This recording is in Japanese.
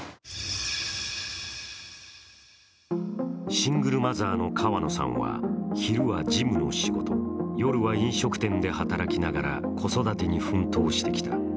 シングルマザーの川野さんは昼は事務の仕事、夜は飲食店で働きながら子育てに奮闘してきた。